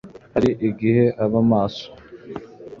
Hari igihe aba maso